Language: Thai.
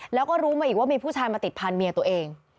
แล้วก็รู้มาอีกว่ามีผู้ชายมาติดพันธุ์เมียตัวเอง